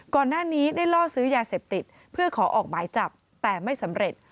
ก่อนหน้านี้ได้ล่อซื้อยาเสพติดเพื่อขอออกหมายจับแต่ไม่สำเร็จ